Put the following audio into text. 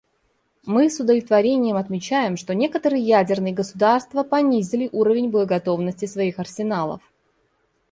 Мы с удовлетворением отмечаем, что некоторые ядерные государства понизили уровень боеготовности своих арсеналов.